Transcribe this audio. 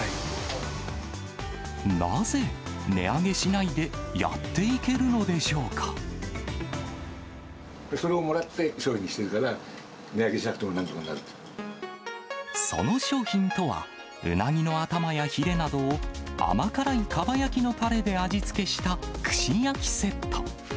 なぜ、値上げしないでやってそれをもらって商品にしてるから、その商品とは、うなぎの頭やひれなどを甘辛いかば焼きのたれで味付けした、串焼きセット。